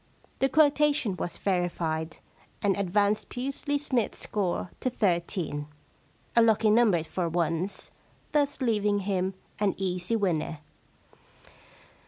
The quotation was verified, and advanced Pusely Smythe's score to thirteen — a lucky number for once — thus leaving him an easy winner.